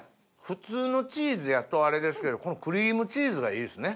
普通のチーズやとあれですけどクリームチーズがいいですね。